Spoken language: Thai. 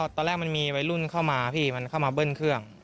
ตอนแรกมันมีวัยรุ่นเข้ามาพี่มันเข้ามาเบิ้ลเครื่อง